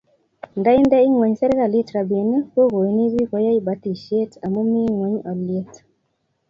Nda inde ngweny serikalit rabinik ko koini bik koyai batishet amu mie ngweny alyet